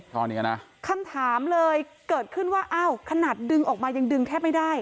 ท่อนี้นะคำถามเลยเกิดขึ้นว่าอ้าวขนาดดึงออกมายังดึงแทบไม่ได้